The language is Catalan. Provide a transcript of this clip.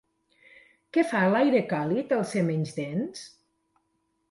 Què fa l'aire càlid al ser menys dens?